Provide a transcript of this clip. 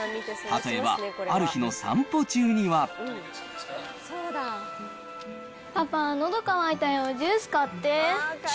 例えば、ある日の散歩中には。パパ、のど渇いたよ、ジュース？だ